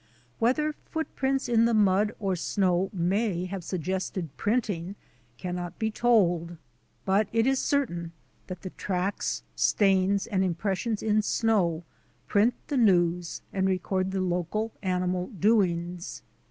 Whether footprints in the mud or snow may have suggested printing cannot be told, but it is certain that the tracks, stains, and impressions in snow print the news and record the local animal doings.